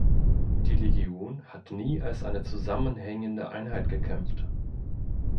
Die Legion hat nie als eine zusammenhängende Einheit gekämpft.